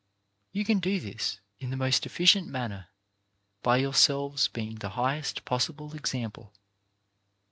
You can do this in the most efficient manner by your selves being the highest possible example.